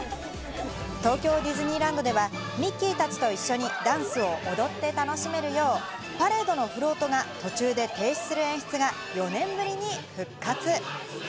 東京ディズニーランドでは、ミッキーたちと一緒にダンスを踊って楽しめるよう、パレードのフロートが途中で停止する演出が４年ぶりに復活。